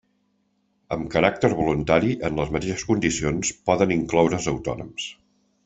Amb caràcter voluntari, en les mateixes condicions, poden incloure's autònoms.